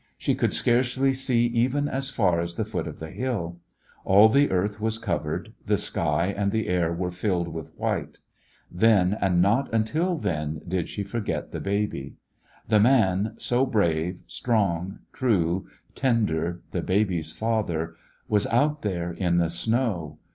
She could scarcely see even as far as the foot of the hill. All the earth was covered, the sky and the air were filled with white. Then, and not until then, did she for get the baby. The man, so brave, strong, true, tender, the baby's father, was out there in the snow.